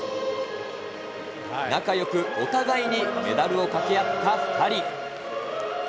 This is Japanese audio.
仲よくお互いにメダルをかけ合った２人。